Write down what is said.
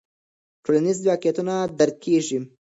ټولنیز واقعیتونه درک کیږي.